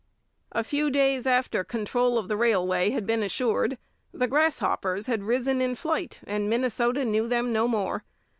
A few days after control of the railway had been assured, the grasshoppers had risen in flight, and Minnesota knew them no more.